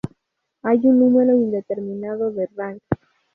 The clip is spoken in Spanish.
Hay un número indeterminado de ranks.